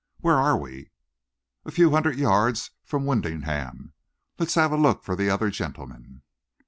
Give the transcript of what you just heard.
"Where are we?" "A few hundred yards from Wymondham. Let's have a look for the other gentleman."